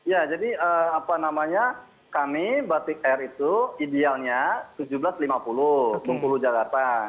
ya jadi apa namanya kami batik air itu idealnya seribu tujuh ratus lima puluh bengkulu jakarta